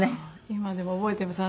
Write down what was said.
今でも覚えてます。